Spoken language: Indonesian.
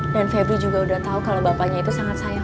dan febri juga udah tau kalo bapaknya itu sangat sayang